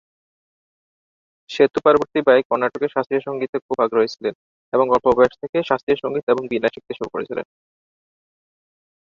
সেতু পার্বতী বাই কর্ণাটকী শাস্ত্রীয় সঙ্গীতে খুব আগ্রহী ছিলেন এবং অল্প বয়স থেকেই শাস্ত্রীয় সঙ্গীত এবং বীণা শিখতে শুরু করেছিলেন।